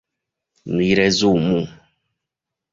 Ni resumu.